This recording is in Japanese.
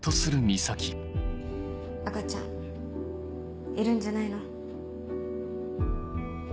赤ちゃんいるんじゃないの？